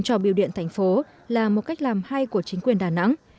cho bưu điện tp là một cách làm hay của chính quyền đà nẵng